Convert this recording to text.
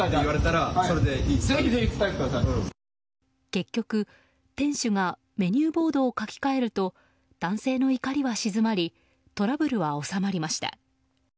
結局、店主がメニューボードを書き換えると男性の怒りは静まりトラブルは収まりました。